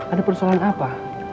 ada persoalan apa